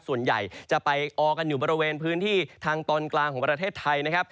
ส่วนใหญ่จะไปออกันอยู่บริเวณพื้นที่ทางตอนกลางของประเทศไทยนะครับ